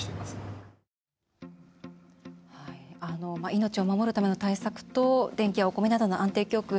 命を守るための対策と電気やお米などの安定供給。